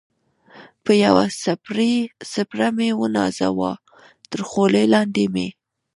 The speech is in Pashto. په یوه څپېړه مې و نازاوه، تر خولۍ لاندې مې.